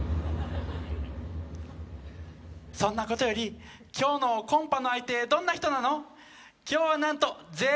そんなことより、今日のコンパの相手、どんな人なの？